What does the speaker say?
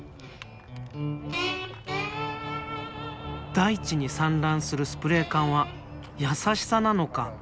大地に散乱するスプレー缶は優しさなのか？